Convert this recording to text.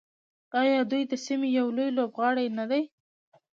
آیا دوی د سیمې یو لوی لوبغاړی نه دی؟